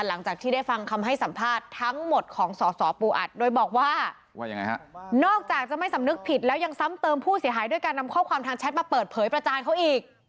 หลังจากที่สสปวอัดแถลงข่าวทั้งหมดโค้งแล้วโค้งอีกใช่ไหม